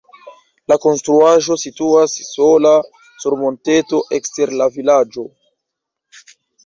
La konstruaĵo situas sola sur monteto ekster la vilaĝo.